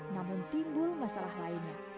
namun timbul masalah lainnya